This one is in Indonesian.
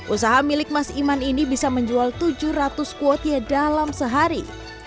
usaha milik mas iman ini bisa menjual tujuh ratus kuotie dalam sehari